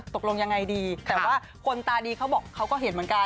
ตกลงยังไงดีแต่ว่าคนตาดีเขาบอกเขาก็เห็นเหมือนกัน